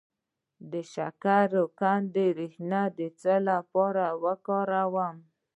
د شکرقندي ریښه د څه لپاره وکاروم؟